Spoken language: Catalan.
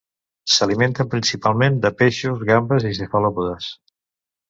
S'alimenten principalment de peixos, gambes i cefalòpodes.